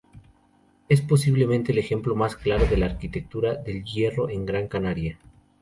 Es posiblemente el ejemplo más claro de la arquitectura del hierro en Gran Canaria.